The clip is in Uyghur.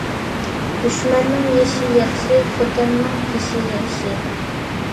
دۈشمەننىڭ يېشى ياخشى، خوتەننىڭ تېشى ياخشى.